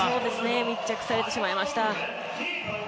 密着されてしまいました。